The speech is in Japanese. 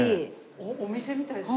お店みたいですね。